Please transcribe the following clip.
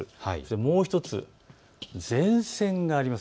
もう１つ、前線があります。